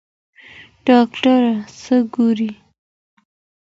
ډاکټره څه ګوري؟